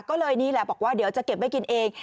ก็เลยนี่แหละบอกว่าเดี๋ยวจะเก็บไว้กินเอง